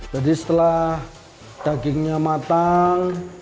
jadi setelah dagingnya matang